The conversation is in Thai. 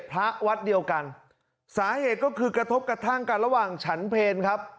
พระวัดเดียวกันสาเหตุก็คือกระทบกระทั่งกันระหว่างฉันเพลครับ